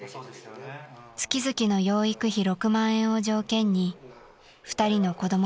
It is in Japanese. ［月々の養育費６万円を条件に２人の子供も妻の元へ］